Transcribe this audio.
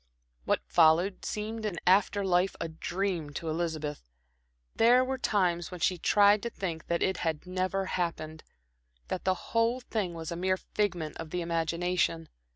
What followed seemed in after life a dream to Elizabeth. There were times when she tried to think that it had never happened; that the whole thing was a mere figment of the imagination.